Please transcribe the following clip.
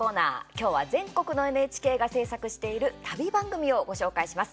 今日は、全国のＮＨＫが制作している旅番組をご紹介します。